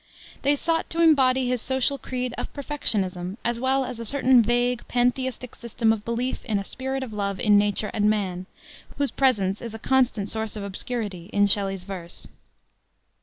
They sought to embody his social creed of Perfectionism, as well as a certain vague Pantheistic system of belief in a spirit of love in nature and man, whose presence is a constant source of obscurity in Shelley's verse.